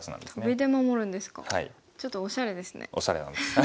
ちょっとおしゃれですね。